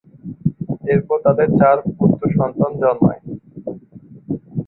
এরপর তাদের চার পুত্র সন্তান জন্মায়।